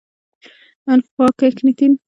الفا اکتینین درې ته د چټکتیا جین هم وايي.